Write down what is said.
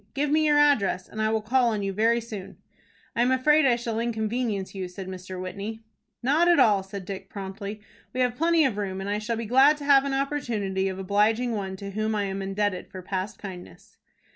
Give me your address, and I will call on you very soon." "I am afraid I shall inconvenience you," said Mr. Whitney. "Not at all," said Dick, promptly. "We have plenty of room, and I shall be glad to have an opportunity of obliging one to whom I am indebted for past kindness."